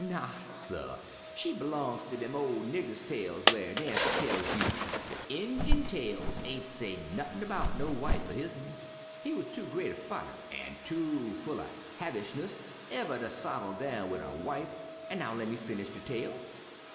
Naw, suh, she b'longs in dem ol' nigger tales whar Nancy tells you. De Injun tales ain' say nuttin' 'bout no wife er his'n. He wuz too gre't a fighter an' too full er 'havishness uver ter sottle down wid a wife; an' now lemme finish de tale.